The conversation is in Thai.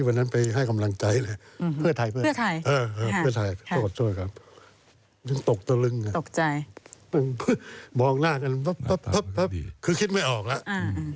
มองหน้ากันคือคิดไม่ออกแล้ว